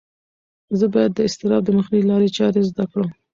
زه باید د اضطراب د مخنیوي لارې چارې زده کړم.